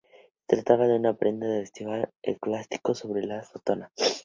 Se trataba de una prenda que vestían los eclesiásticos sobre la sotana.